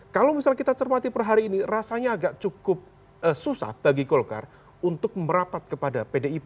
kalau misalnya kita cermati per hari ini rasanya agak cukup susah bagi golkar untuk merapat kepada pdip